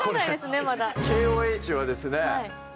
ＫＯＨはですね。